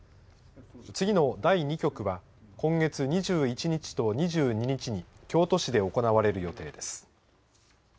次の第２局は今月２１日と２２日に京都市で行われる予定です。